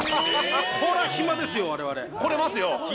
これは暇ですよ、我々。